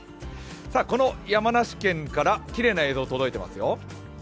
この山梨県からきれいな映像が届いてますよ。